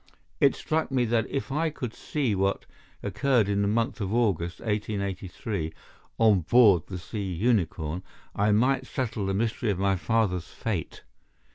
It struck me that if I could see what occurred in the month of August, 1883, on board the Sea Unicorn, I might settle the mystery of my father's fate.